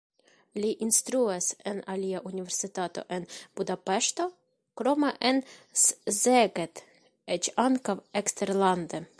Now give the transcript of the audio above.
Li instruas en alia universitato en Budapeŝto, krome en Szeged, eĉ ankaŭ eksterlande.